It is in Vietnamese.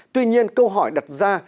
tuy nhiên câu hỏi đặt ra